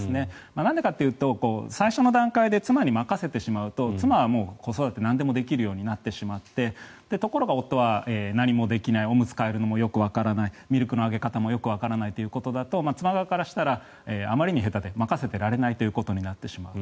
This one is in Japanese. なんでかっていうと最初の段階で妻に任せてしまうと妻はもう子育てなんでもできるようになってしまってところが夫は何もできないおむつを替えるのもよくわからないミルクのあげ方もよくわからないということだと妻側からしたらあまりに下手で任せてられないということになってしまうと。